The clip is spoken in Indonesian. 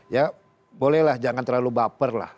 ya bolehlah jangan terlalu baper lah